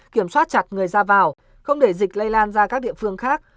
kiểm soát chặt người ra vào không để dịch lây lan ra các địa phương khác